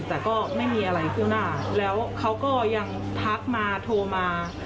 แต่ก็ไม่มีอะไรขึ้นหน้าแล้วเขาก็ยังทักมาโทรมา